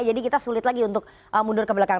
jadi kita sulit lagi untuk mundur ke belakang